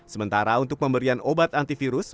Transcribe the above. sementara untuk pemberian obat antivirus